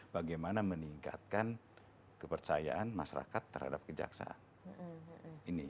bagaimana meningkatkan kepercayaan masyarakat terhadap kejaksaan